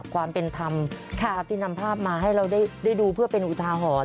ความเป็นธรรมภาพที่นำภาพมาให้เราได้ดูเพื่อเป็นอุทาหรณ์